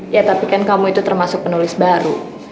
ya tapi kan kamu itu termasuk penulis baru